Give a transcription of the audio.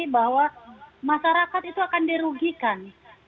bahwa masyarakat itu akan dirugikan